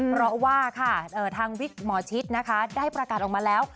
เพราะว่าค่ะทางวิกหมอชิดนะคะได้ประกาศออกมาแล้ว